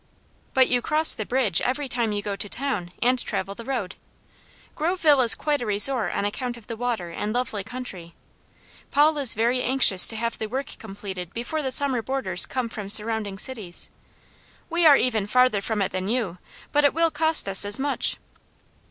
"But you cross the bridge every time you go to town, and travel the road. Groveville is quite a resort on account of the water and lovely country. Paul is very anxious to have the work completed before the summer boarders come from surrounding cities. We are even farther from it than you; but it will cost us as much."